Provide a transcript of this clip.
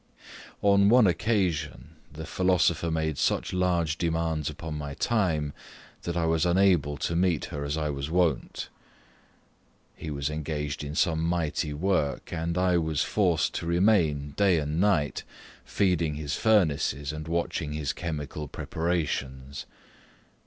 On one occasion, the philosopher made such large demands upon my time, that I was unable to meet her as I was wont. He was engaged in some mighty work, and I was forced to remain, day and night, feeding his furnaces and watching his chemical preparations.